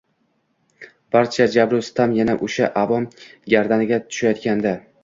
Barcha jabru sitam yana oʻsha avom gardaniga tushayotgandi